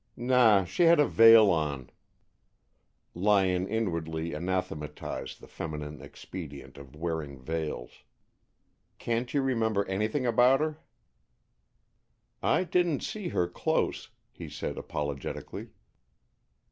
"Na, she had a veil on." Lyon inwardly anathematized the feminine expedient of wearing veils. "Can't you remember anything about her?" "I didn't see her close," he said apologetically.